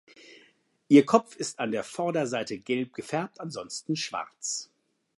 Ihr Kopf ist an der Vorderseite gelb gefärbt, ansonsten schwarz.